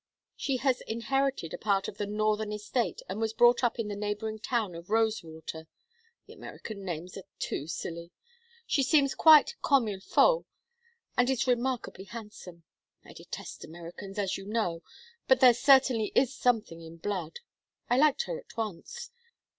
She has inherited a part of the northern estate and was brought up in the neighboring town of Rosewater the American names are too silly. She seems quite comme il faut and is remarkably handsome. I detest Americans, as you know, but there certainly is something in blood. I liked her at once.